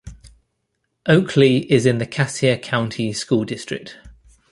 Oakley is in the Cassia County School District.